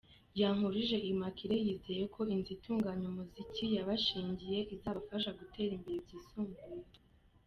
Yankurije Immaculée yizeye ko inzu itunganya umuziki yabashingiye izabafasha gutera imbere byisumbuyeho.